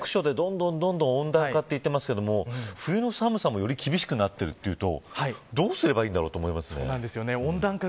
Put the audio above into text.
酷暑でどんどんどんどん温暖化と言っていますけれど冬の寒さもより厳しくなっているというとどうすればいいんだろうと思います。